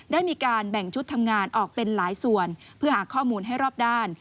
ได้มีการแบ่งชุดทำงานออกเป็นหลายส่วนเพื่อหาข้อมูลให้รอบด้าน